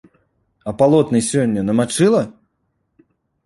А палотны сёння намачыла?